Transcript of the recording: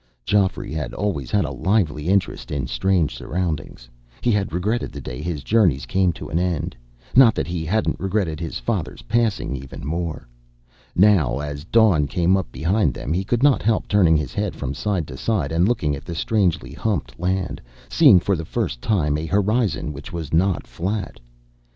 Geoffrey had always had a lively interest in strange surroundings. He had regretted the day his journeyings came to an end not that he hadn't regretted his father's passing even more. Now, as dawn came up behind them, he could not help turning his head from side to side and looking at the strangely humped land, seeing for the first time a horizon which was not flat.